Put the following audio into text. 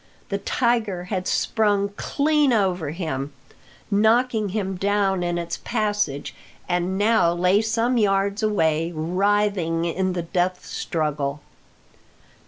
The tiger had sprung clean over him, knocking him down in its passage, and now lay some yards away, writhing in the death struggle.